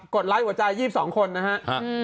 กดไลค์หัวใจ๒๒คนนะครับ